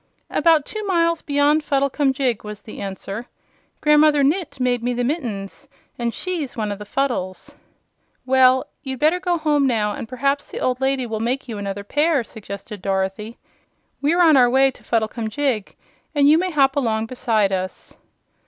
"About two miles beyond Fuddlecumjig," was the answer. "Grandmother Gnit made me the mittens, and she's one of the Fuddles." "Well, you'd better go home now, and perhaps the old lady will make you another pair," suggested Dorothy. "We're on our way to Fuddlecumjig, and you may hop along beside us."